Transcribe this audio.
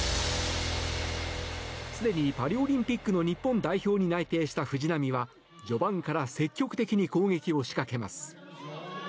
すでにパリオリンピックの日本代表に内定した藤波は序盤から積極的に攻撃を仕掛けます。